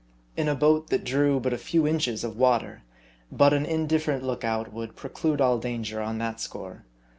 In a boat that drew but a few inches of water, but an indifferent look out would preclude all dan ger on that score.